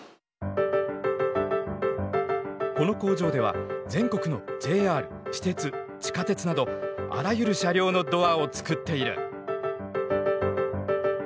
この工場では全国のＪＲ私鉄地下鉄などあらゆる車両のドアを作っている。